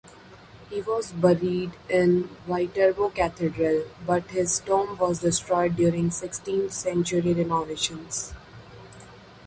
He was buried in Viterbo Cathedral, but his tomb was destroyed during sixteenth-century renovations.